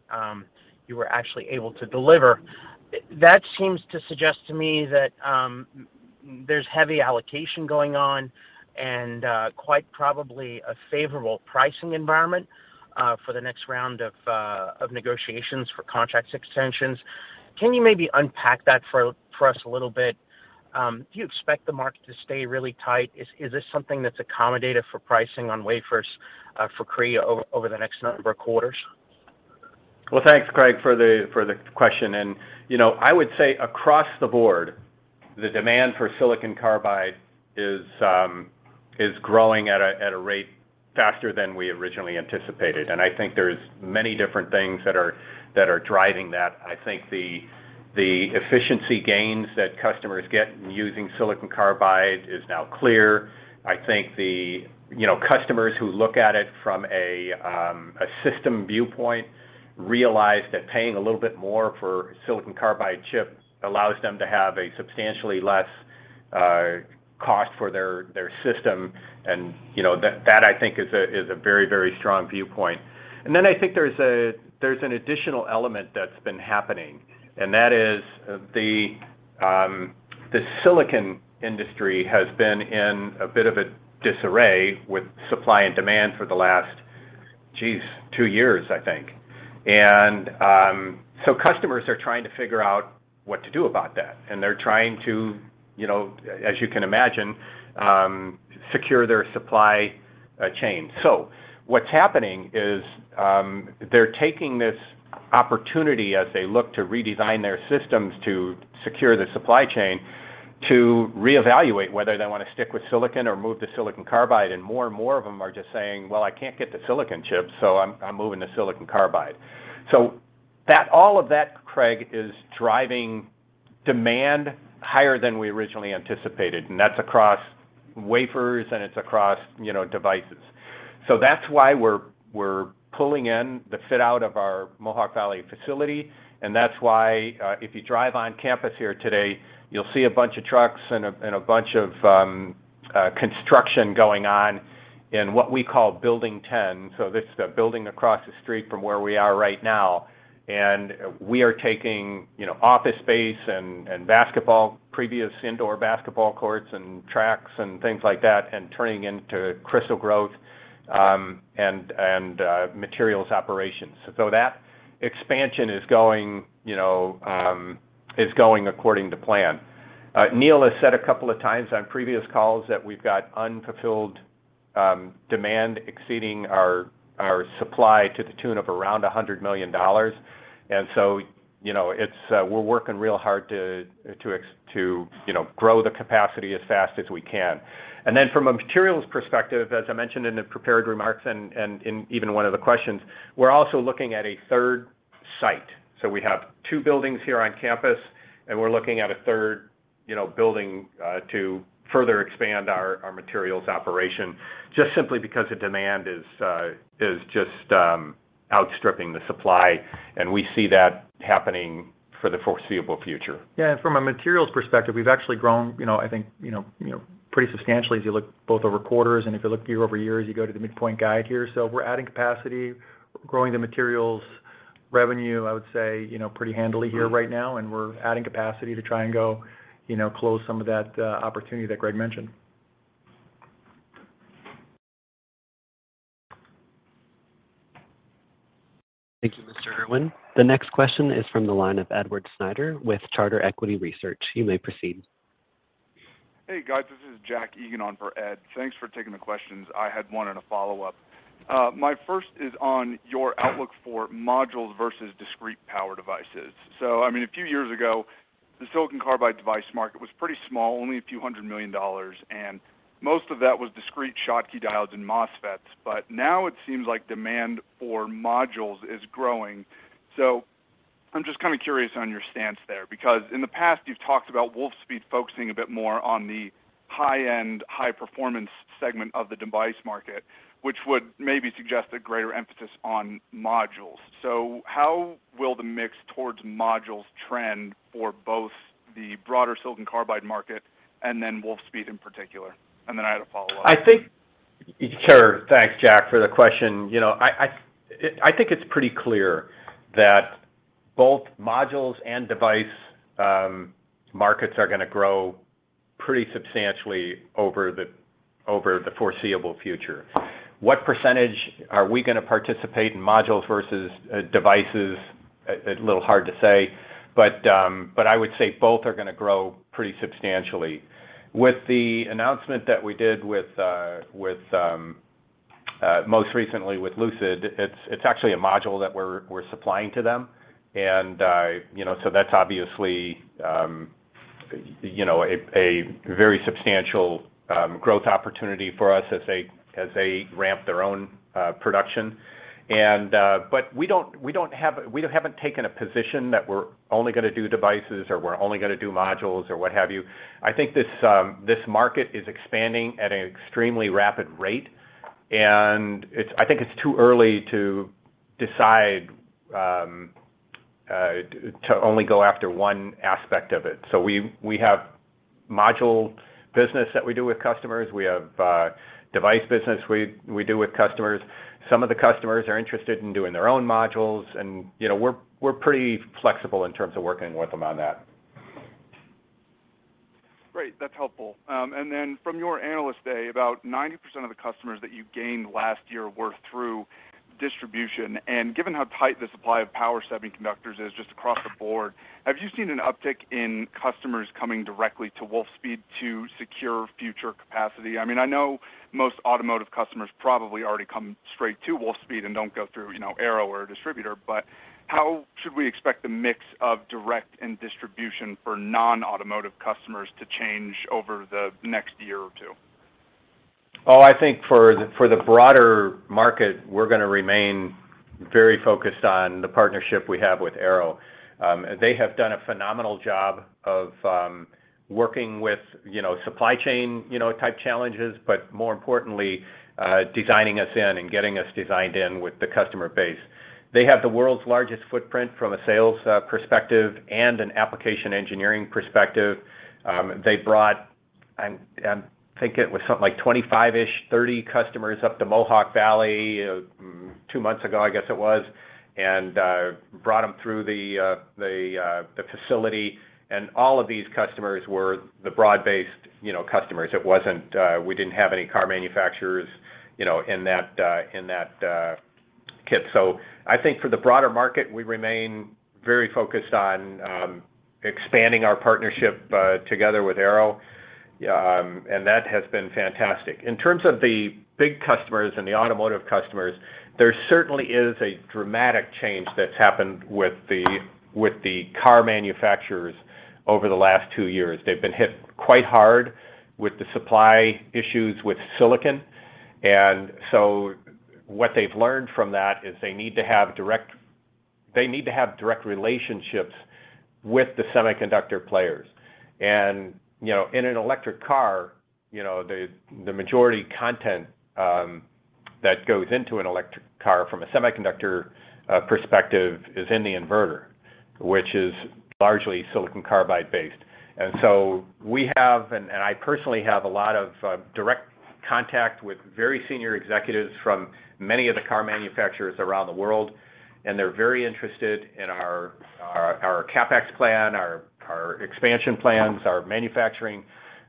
you were actually able to deliver. That seems to suggest to me that there's heavy allocation going on and quite probably a favorable pricing environment for the next round of negotiations for contract extensions. Can you maybe unpack that for us a little bit? Do you expect the market to stay really tight? Is this something that's accommodative for pricing on wafers for Wolfspeed over the next number of quarters? Well, thanks, Craig, for the question. You know, I would say across the board, the demand for silicon carbide is growing at a rate faster than we originally anticipated. I think there's many different things that are driving that. I think the efficiency gains that customers get using silicon carbide is now clear. I think you know, customers who look at it from a system viewpoint realize that paying a little bit more for silicon carbide chips allows them to have a substantially less cost for their system. You know, that I think is a very strong viewpoint. I think there's an additional element that's been happening, and that is the silicon industry has been in a bit of a disarray with supply and demand for the last, geez, two years, I think. Customers are trying to figure out what to do about that, and they're trying to, you know, as you can imagine, secure their supply chain. What's happening is, they're taking this opportunity as they look to redesign their systems to secure the supply chain to reevaluate whether they wanna stick with silicon or move to silicon carbide, and more and more of them are just saying, "Well, I can't get the silicon chips, so I'm moving to silicon carbide." All of that, Craig, is driving demand higher than we originally anticipated, and that's across wafers, and it's across, you know, devices. That's why we're pulling in the fit out of our Mohawk Valley facility, and that's why, if you drive on campus here today, you'll see a bunch of trucks and a bunch of construction going on in what we call building 10. This is the building across the street from where we are right now. We are taking office space and previous indoor basketball courts and tracks and things like that, and turning into crystal growth and materials operations. That expansion is going according to plan. Neill has said a couple of times on previous calls that we've got unfulfilled demand exceeding our supply to the tune of around $100 million. We're working real hard to grow the capacity as fast as we can. From a materials perspective, as I mentioned in the prepared remarks and in even one of the questions, we're also looking at a third site. We have two buildings here on campus, and we're looking at a third, you know, building to further expand our materials operation, just simply because the demand is just outstripping the supply, and we see that happening for the foreseeable future. Yeah. From a materials perspective, we've actually grown, you know, I think, you know, pretty substantially as you look both over quarters and if you look year-over-year as you go to the midpoint guidance here. We're adding capacity, growing the materials revenue, I would say, you know, pretty handily here right now, and we're adding capacity to try and go, you know, close some of that opportunity that Gregg mentioned. Thank you, Mr. Irwin. The next question is from the line of Edward Snyder with Charter Equity Research. You may proceed. Hey, guys. This is Jack Egan on for Ed. Thanks for taking the questions. I had one and a follow-up. My first is on your outlook for modules versus discrete power devices. I mean, a few years ago, the silicon carbide device market was pretty small, only a few hundred million dollars, and most of that was discrete Schottky diodes and MOSFETs. Now it seems like demand for modules is growing. I'm just kind of curious on your stance there, because in the past, you've talked about Wolfspeed focusing a bit more on the high-end, high-performance segment of the device market, which would maybe suggest a greater emphasis on modules. How will the mix towards modules trend for both the broader silicon carbide market and then Wolfspeed in particular? I had a follow-up. Sure. Thanks, Jack, for the question. You know, I think it's pretty clear that both modules and devices markets are gonna grow pretty substantially over the foreseeable future. What percentage are we gonna participate in modules versus devices? A little hard to say, but I would say both are gonna grow pretty substantially. With the announcement that we did most recently with Lucid Motors, it's actually a module that we're supplying to them. You know, so that's obviously a very substantial growth opportunity for us as they ramp their own production. We haven't taken a position that we're only gonna do devices or we're only gonna do modules or what have you. I think this market is expanding at an extremely rapid rate, and I think it's too early to decide to only go after one aspect of it. We have module business that we do with customers. We have device business we do with customers. Some of the customers are interested in doing their own modules and, you know, we're pretty flexible in terms of working with them on that. Great. That's helpful. From your Investor Day, about 90% of the customers that you gained last year were through distribution. Given how tight the supply of power semiconductors is just across the board, have you seen an uptick in customers coming directly to Wolfspeed to secure future capacity? I mean, I know most automotive customers probably already come straight to Wolfspeed and don't go through, you know, Arrow or a distributor, but how should we expect the mix of direct and distribution for non-automotive customers to change over the next year or two? I think for the broader market, we're gonna remain very focused on the partnership we have with Arrow. They have done a phenomenal job of working with, you know, supply chain, you know, type challenges, but more importantly, designing us in and getting us designed in with the customer base. They have the world's largest footprint from a sales perspective and an application engineering perspective. They brought, I think it was something like 25-ish, 30 customers up to Mohawk Valley two months ago, I guess it was, and brought them through the facility. All of these customers were the broad-based, you know, customers. It wasn't. We didn't have any car manufacturers, you know, in that kit. I think for the broader market, we remain very focused on expanding our partnership together with Arrow, and that has been fantastic. In terms of the big customers and the automotive customers, there certainly is a dramatic change that's happened with the car manufacturers over the last two years. They've been hit quite hard with the supply issues with silicon. What they've learned from that is they need to have direct relationships with the semiconductor players. You know, in an electric car, you know, the majority content that goes into an electric car from a semiconductor perspective is in the inverter, which is largely silicon carbide-based. I personally have a lot of direct contact with very senior executives from many of the car manufacturers around the world, and they're very interested in our CapEx plan, our expansion plans, our manufacturing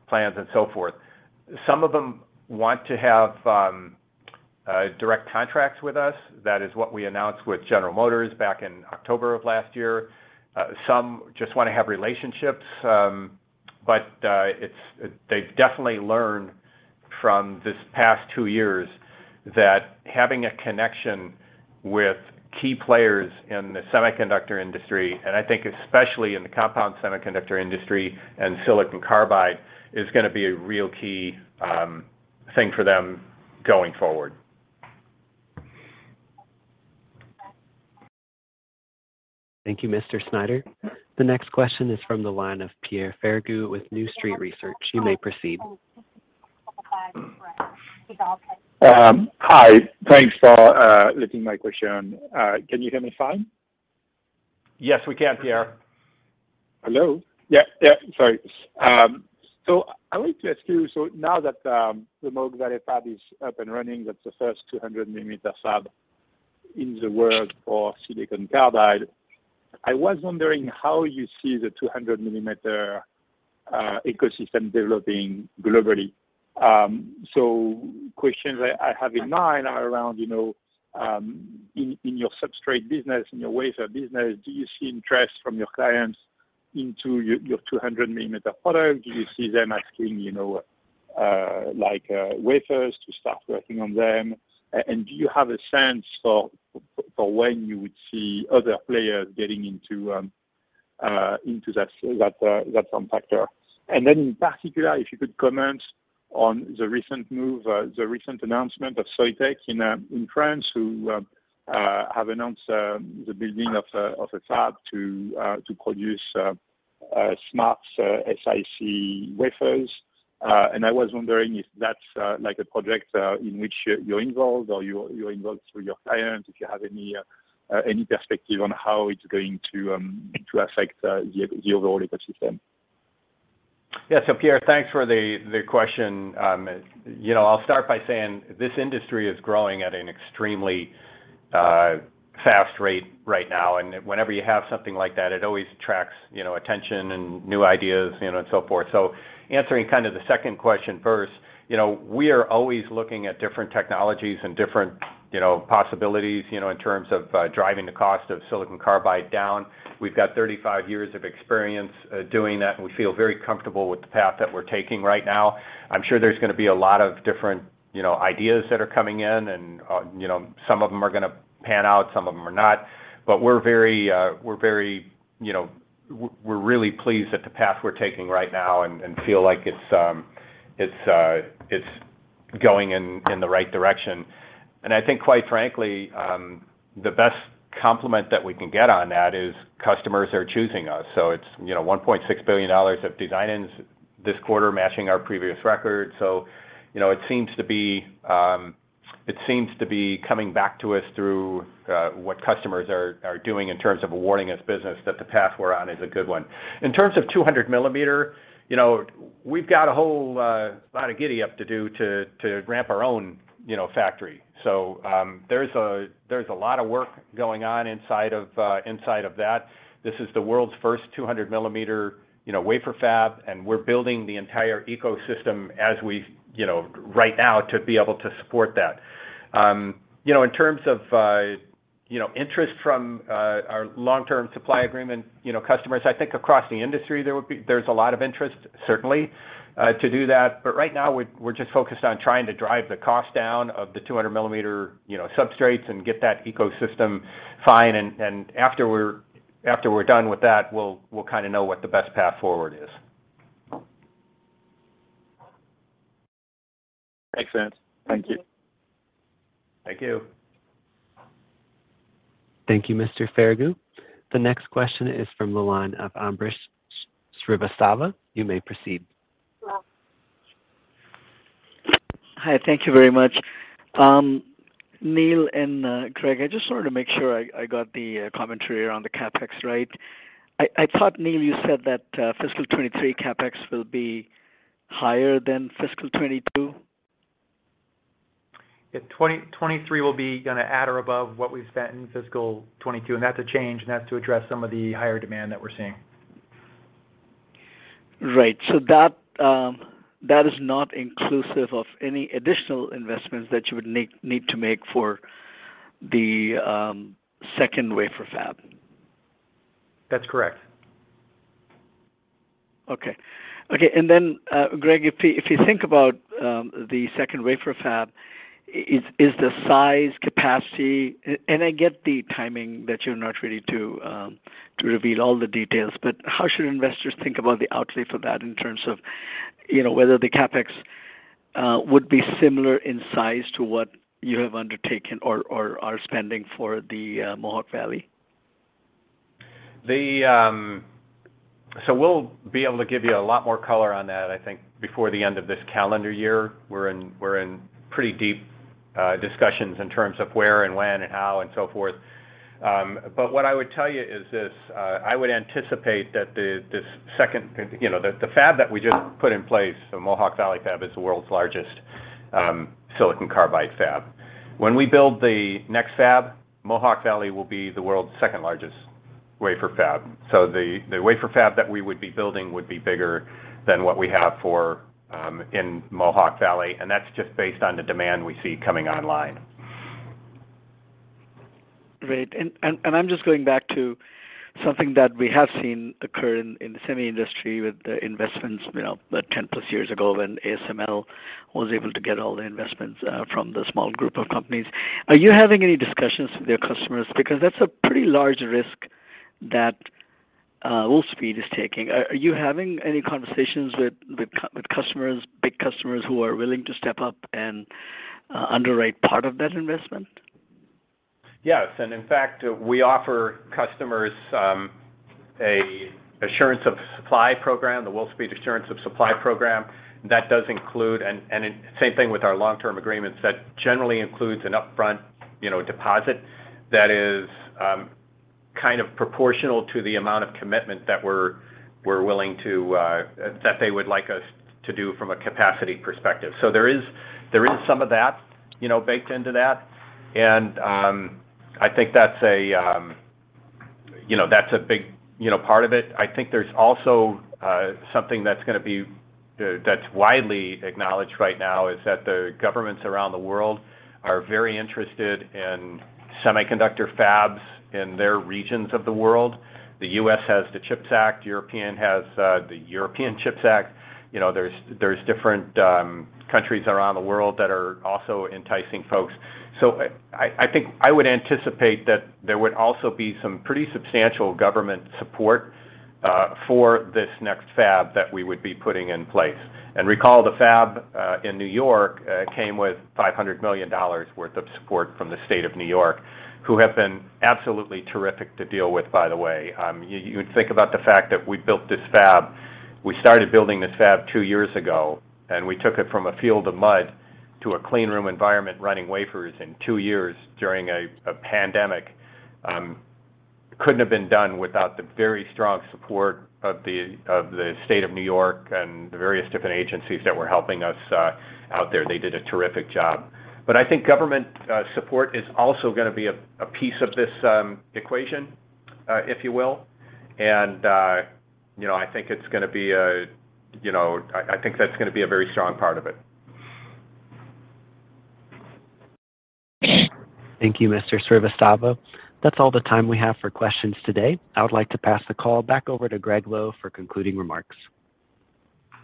plans, and so forth. Some of them want to have direct contracts with us. That is what we announced with General Motors back in October of last year. Some just wanna have relationships. It's that they've definitely learned from this past two years that having a connection with key players in the semiconductor industry, and I think especially in the compound semiconductor industry and silicon carbide, is gonna be a real key thing for them going forward. Thank you, Mr. Snyder. The next question is from the line of Pierre Ferragu with New Street Research. You may proceed. Hi. Thanks for taking my question. Can you hear me fine? Yes, we can, Pierre. I wanted to ask you. Now that the Mohawk Valley fab is up and running, that's the first 200-mm fab in the world for silicon carbide. I was wondering how you see the 200-mm ecosystem developing globally. Questions I have in mind are around, you know, in your substrate business, in your wafer business. Do you see interest from your clients into your 200-mm product? Do you see them asking, you know, like, wafers to start working on them? Do you have a sense for when you would see other players getting into that form factor? In particular, if you could comment on the recent move, the recent announcement of Soitec in France, who have announced the building of a fab to produce SmartSiC wafers. I was wondering if that's like a project in which you're involved or you're involved through your clients, if you have any perspective on how it's going to affect the overall ecosystem. Yeah. Pierre, thanks for the question. You know, I'll start by saying this industry is growing at an extremely fast rate right now, and whenever you have something like that, it always attracts, you know, attention and new ideas, you know, and so forth. Answering kind of the second question first, you know, we are always looking at different technologies and different, you know, possibilities, you know, in terms of driving the cost of silicon carbide down. We've got 35 years of experience doing that, and we feel very comfortable with the path that we're taking right now. I'm sure there's gonna be a lot of different, you know, ideas that are coming in and, you know, some of them are gonna pan out, some of them are not. But we're very, you know. We're really pleased at the path we're taking right now and feel like it's going in the right direction. I think quite frankly, the best compliment that we can get on that is customers are choosing us. It's, you know, $1.6 billion of design-ins this quarter matching our previous record. You know, it seems to be coming back to us through what customers are doing in terms of awarding us business that the path we're on is a good one. In terms of 200 mm, you know, we've got a whole lot of giddy up to do to ramp our own factory. There's a lot of work going on inside of that. This is the world's first 200-mm, you know, wafer fab, and we're building the entire ecosystem as we, you know, right now to be able to support that. You know, in terms of, you know, interest from, our long-term supply agreement, you know, customers, I think across the industry there's a lot of interest certainly, to do that, but right now we're just focused on trying to drive the cost down of the 200 mm, you know, substrates and get that ecosystem fine and, after we're done with that, we'll kinda know what the best path forward is. Makes sense. Thank you. Thank you. Thank you, Mr. Ferragu. The next question is from the line of Ambrish Srivastava. You may proceed. Hi, thank you very much. Neill and Craig, I just wanted to make sure I got the commentary around the CapEx right. I thought, Neill, you said that fiscal 2023 CapEx will be higher than fiscal 2022? 2023 will be gonna be at or above what we've spent in fiscal 2022, and that's a change, and that's to address some of the higher demand that we're seeing. Right. That is not inclusive of any additional investments that you would need to make for the second wafer fab? That's correct. Okay, Gregg, if you think about the second wafer fab, I get the timing that you're not ready to reveal all the details, but how should investors think about the outlay for that in terms of, you know, whether the CapEx would be similar in size to what you have undertaken or are spending for the Mohawk Valley? We'll be able to give you a lot more color on that, I think, before the end of this calendar year. We're in pretty deep discussions in terms of where and when and how and so forth. What I would tell you is this. I would anticipate that this second, you know, fab that we just put in place, the Mohawk Valley fab, is the world's largest silicon carbide fab. When we build the next fab, Mohawk Valley will be the world's second-largest wafer fab. The wafer fab that we would be building would be bigger than what we have in Mohawk Valley, and that's just based on the demand we see coming online. Great. I'm just going back to something that we have seen occur in the semi industry with the investments, you know, 10+ years ago when ASML was able to get all the investments from the small group of companies. Are you having any discussions with your customers? Because that's a pretty large risk that Wolfspeed is taking. Are you having any conversations with customers, big customers who are willing to step up and underwrite part of that investment? Yes. In fact, we offer customers an assurance of supply program, the Wolfspeed Assurance of Supply Program. That does include and same thing with our long-term agreements, that generally includes an upfront, you know, deposit that is kind of proportional to the amount of commitment that they would like us to do from a capacity perspective. There is some of that, you know, baked into that. I think that's a big, you know, part of it. I think there's also something that's widely acknowledged right now is that the governments around the world are very interested in semiconductor fabs in their regions of the world. The U.S. has the CHIPS Act, Europe has the European Chips Act. You know, there's different countries around the world that are also enticing folks. I think I would anticipate that there would also be some pretty substantial government support for this next fab that we would be putting in place. Recall the fab in New York came with $500 million worth of support from the state of New York, who have been absolutely terrific to deal with, by the way. You think about the fact that we built this fab. We started building this fab two years ago, and we took it from a field of mud to a clean room environment running wafers in two years during a pandemic. Couldn't have been done without the very strong support of the State of New York and the various different agencies that were helping us out there. They did a terrific job. I think government support is also gonna be a piece of this equation, if you will. You know, I think that's gonna be a very strong part of it. Thank you, Mr. Srivastava. That's all the time we have for questions today. I would like to pass the call back over to Gregg Lowe for concluding remarks.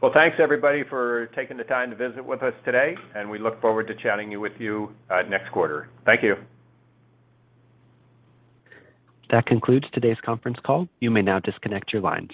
Well, thanks everybody for taking the time to visit with us today, and we look forward to chatting with you next quarter. Thank you. That concludes today's conference call. You may now disconnect your lines.